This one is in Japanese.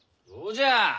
そうじゃ。